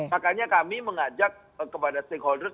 makanya kami mengajak kepada stakeholders